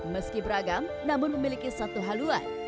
meski beragam namun memiliki satu haluan